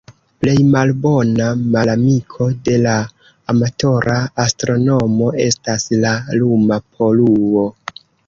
Plej malbona malamiko de la amatora astronomo estas la luma poluo.